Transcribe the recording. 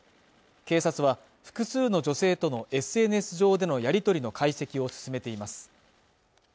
警察は複数の女性とのＳＮＳ上でのやり取りの解析を進めています